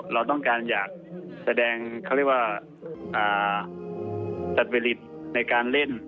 เราต้องการอยากแสดงเขาเรียกว่าจัดวิริตในการเล่น